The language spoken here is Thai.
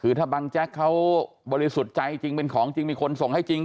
คือถ้าบังแจ๊กเขาบริสุทธิ์ใจจริงเป็นของจริงมีคนส่งให้จริง